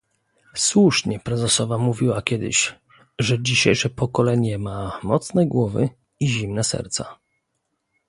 "Słusznie prezesowa mówiła kiedyś, że dzisiejsze pokolenie ma mocne głowy i zimne serca."